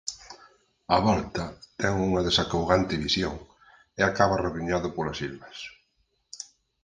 Á volta ten unha desacougante visión e acaba rabuñado polas silvas.